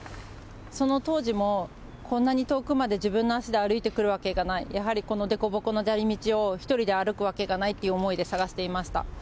その当時も、こんなに遠くまで自分の足で歩いてくるわけがない、やはりこのでこぼこの砂利道を１人で歩くわけがないという思いで、捜していました。